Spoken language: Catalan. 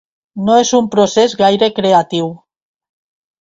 No és un procés gaire creatiu.